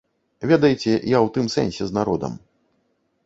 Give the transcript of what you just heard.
Ведаеце, я ў тым сэнсе з народам.